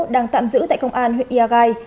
đang tạm giữ tại công an huyện ia gai